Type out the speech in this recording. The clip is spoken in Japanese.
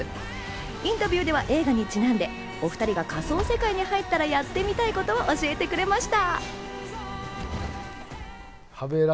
インタビューでは映画にちなんで、お２人が仮想世界に入ったらやってみたいことを教えてくれました。